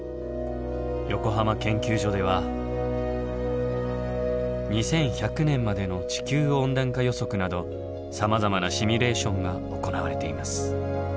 横浜研究所では２１００年までの地球温暖化予測などさまざまなシミュレーションが行われています。